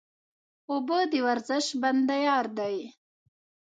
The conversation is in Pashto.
اوبه د ورزش بنده یار دی